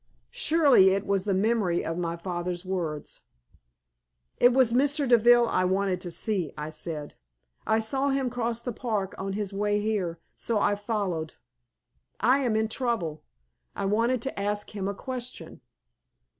Surely it was the memory of my father's words. "It was Mr. Deville I wanted to see," I said. "I saw him cross the park on his way here, so I followed. I am in trouble. I wanted to ask him a question."